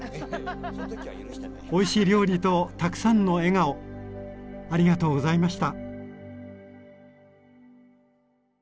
おいしい料理とたくさんの笑顔ありがとうございました。